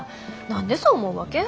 何でそう思うわけ？